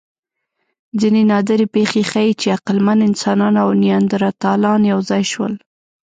ځینې نادرې پېښې ښيي، چې عقلمن انسانان او نیاندرتالان یو ځای شول.